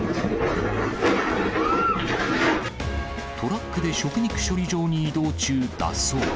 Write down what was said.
トラックで食肉処理場に移動中、脱走。